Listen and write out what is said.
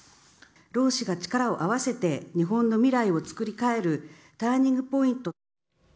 労使が力を合わせて、日本の未来を作り替えるターニングポイント。